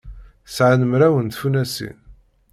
Sɛan mraw n tfunasin.